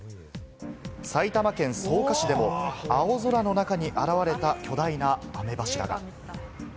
埼玉県草加市でも青空の中に現れた巨大な雨柱が。